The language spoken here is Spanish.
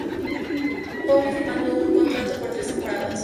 Pauli firmando un contrato por tres temporadas.